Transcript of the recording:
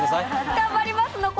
頑張ります。